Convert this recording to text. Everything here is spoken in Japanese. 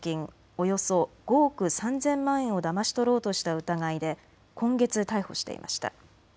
およそ５億３０００万円をだまし取ろうとした疑いで今月、逮捕していました。